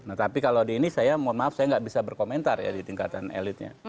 nah tapi kalau di ini saya mohon maaf saya nggak bisa berkomentar ya di tingkatan elitnya